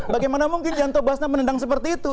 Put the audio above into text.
bagaimana mungkin janto basna menendang seperti itu